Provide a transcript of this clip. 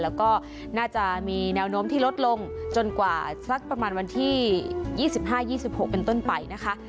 แล้วก็น่าจะมีแนวโน้มที่ลดลงจนกว่าสักประมาณวันที่๒๕๒๖เป็นต้นไปนะคะ